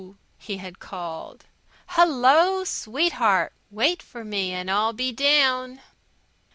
he had called. "Hello, sweetheart! Wait for me and I'll be down."